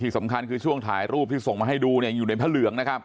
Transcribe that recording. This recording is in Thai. สำคัญคือช่วงถ่ายรูปที่ส่งมาให้ดูเนี่ยอยู่ในพระเหลืองนะครับ